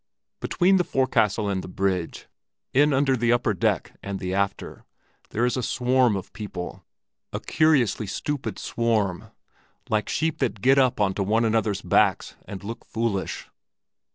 Between the forecastle and the bridge, in under the upper deck and the after, there is a swarm of people, a curiously stupid swarm, like sheep that get up on to one another's backs and look foolish.